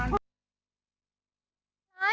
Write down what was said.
มาวันนี้